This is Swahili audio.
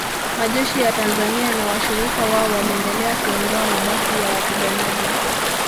Majeshi ya Tanzania na washirika wao waliendelea kuondoa mabaki ya wapiganaji